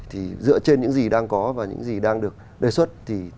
thì dựa trên những gì đang có và những gì đang được đề xuất